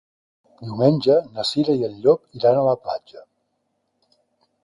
Diumenge na Cira i en Llop iran a la platja.